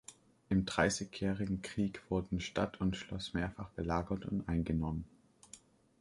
Im Dreißigjährigen Krieg wurden Stadt und Schloss mehrfach belagert und eingenommen.